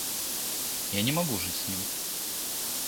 Я не могу жить с ним.